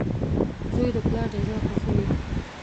• زوی د پلار د زړۀ خوښي وي.